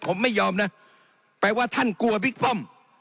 ผมไม่ยอมนะแปลว่าท่านกลัวบิ๊กป้อม